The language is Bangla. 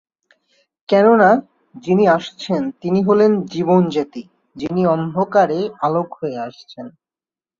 কেননা, যিনি আসছেন, তিনি হলেন জীবনজ্যোতি, যিনি অন্ধকারে আলোক হয়ে আসছেন।